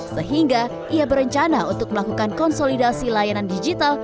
sehingga ia berencana untuk melakukan konsolidasi layanan digital